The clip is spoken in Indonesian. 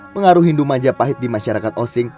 pengaruh hindu majapahit di masyarakat osing